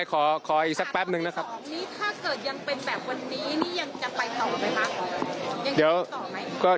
อยู่ทุกที่๔ครับ